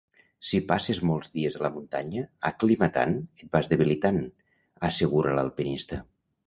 Si passes molts dies a la muntanya aclimatant et vas debilitant, assegura l’alpinista.